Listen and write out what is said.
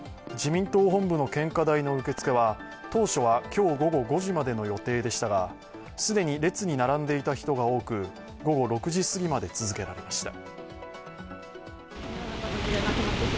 当初は今日午後５時までの予定でしたが既に列に並んでいた人が多く、午後６時すぎまで続けられました。